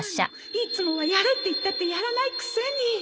いつもはやれって言ったってやらないくせに